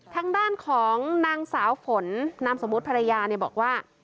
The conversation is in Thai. ทางด้านของนางสาวฝนนามสมมุติภรรยาบอกว่า